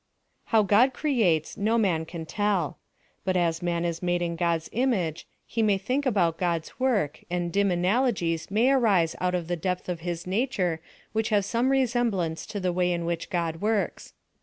How God creates, no man can tell. But as man is made in God's image, he may think about God's work, and dim analogies may arise out of the depth of his nature which have some resemblance to the way in which God works.